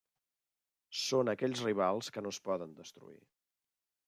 Són aquells rivals que no es poden destruir.